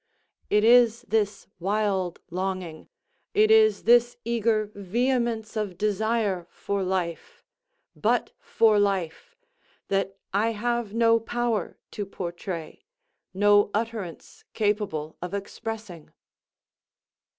It is this wild longing—it is this eager vehemence of desire for life—but for life—that I have no power to portray—no utterance capable of expressing.